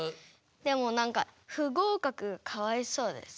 でもなんか不合かくかわいそうです。